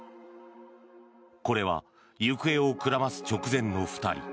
これは行方をくらます直前の２人。